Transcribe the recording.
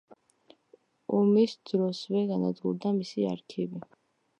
ომის დროსვე განადგურდა მისი არქივი.